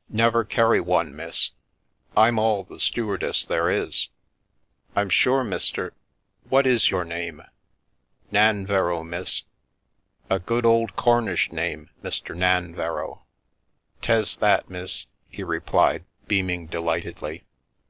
" Never carry one, miss. I'm all the stewardess there is." " I'm sure, Mr. . What is your name ?"" Nanverrow, miss." " A good old Cornish name, Mr. Nanverrow !"" 'Tes that, miss !" he replied, beaming delightedly.